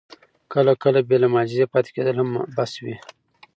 کله کله بې له معجزې پاتې کېدل هم بس وي.